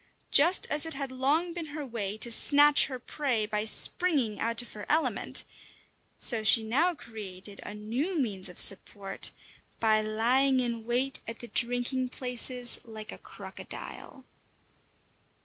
Just as it had long been her way to snatch her prey by springing out of her element, so she now created a new means of support by lying in wait at the drinking places like a crocodile.